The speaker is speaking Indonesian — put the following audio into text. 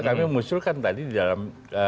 karena kami mengusulkan tadi di dalam